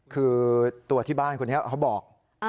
คือตัวที่บ้านคุณเนี่ยเค้าบอก